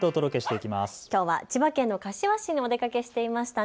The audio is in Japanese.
きょうは千葉県の柏市にお出かけしていましたね。